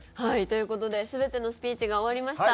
という事で全てのスピーチが終わりました。